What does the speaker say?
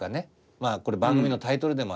まあこれ番組のタイトルでもありますけど。